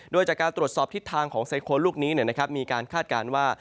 โดยจากการตรวจสอบทิศทางของไซโครนลูกนี้มีการคาดการณ์ว่า